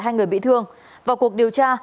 hai người bị thương vào cuộc điều tra